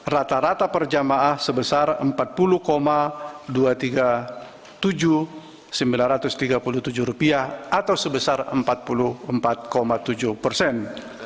rata rata per jemaah sebesar rp empat puluh dua ratus tiga puluh tujuh sembilan ratus tiga puluh tujuh atau sebesar empat puluh empat tujuh persen